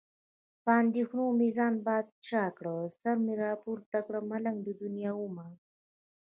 په اندېښنو مې ځان بادشاه کړ. سر مې راپورته کړ، ملنګ د دنیا ومه.